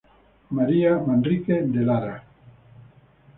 María Manrique de Lara.